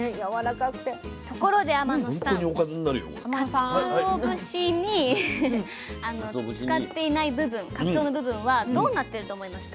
かつお節に使っていない部分かつおの部分はどうなってると思いますか？